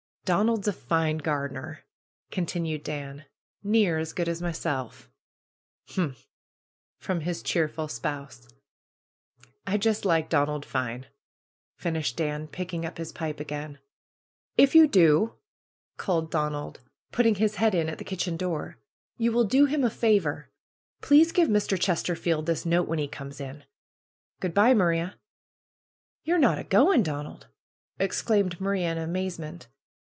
'^Donald's a fine gardener !" continued Ban. ^^Near as good as myself." ''Humph!" from his cheerful spouse. "I just like Donald fine !" finished Dan, picking up his pipe again. "If you do," called Donald, putting his head in at the kitchen door, "you will do him a favor. Please give Mr. Chesterfield this note when he comes in. Good by, Maria!" "Ye're not a going, Donald?" exclaimed Maria in amazement.